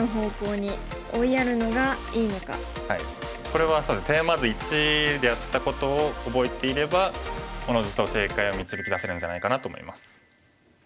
これはそうですねテーマ図１でやったことを覚えていればおのずと正解を導き出せるんじゃないかなと思います。